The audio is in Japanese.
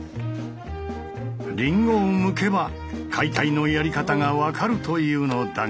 リンゴをむけば解体のやり方が分かるというのだが。